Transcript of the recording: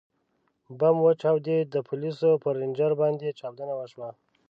ـ بم وچاودېد، د پولیسو پر رینجر باندې چاودنه وشوه.